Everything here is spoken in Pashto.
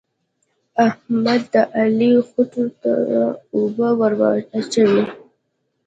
احمد د علي خوټو ته اوبه ور اچوي.